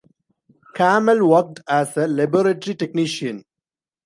Carmelle worked as a laboratory technician.